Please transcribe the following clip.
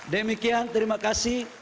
demikian terima kasih